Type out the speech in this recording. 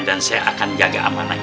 dan saya akan jaga amanah ini